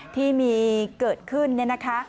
ที่เกิดขึ้นเนี่ยนะคะ